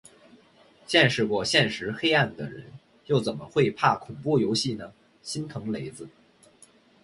见识过现实黑暗的人，又怎么会怕恐怖游戏呢，心疼雷子